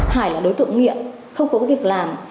hải là đối tượng nghiện không có việc làm